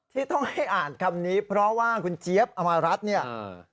ที่ต้องให้อ่านคำนี้เพราะว่าคุณเจี๊ยบอำมารัฐเนี่ย